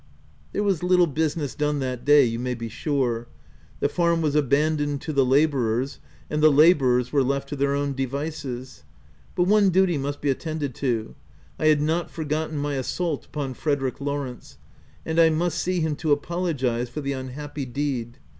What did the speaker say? There was little business done that day, you may be sure. The farm was abandoned to the labourers, and the labourers were left to their own devices. But one duty must be attended to : I had not forgotten my assault upon Fred erick Lawrence ; and I must see him to apolo gize for the unhappy deed.